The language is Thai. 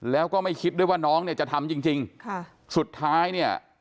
แล้วก็ไม่คิดด้วยว่าน้องเนี่ยจะทำจริงจริงค่ะสุดท้ายเนี่ย